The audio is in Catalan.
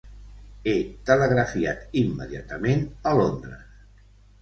He telegrafiat immediatament a Londres.